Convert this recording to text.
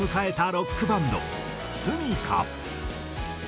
ロックバンドｓｕｍｉｋａ。